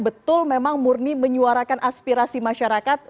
betul memang murni menyuarakan aspirasi masyarakat